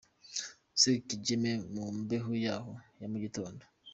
S Kigeme mu mbeho yaho ya mu gitondo.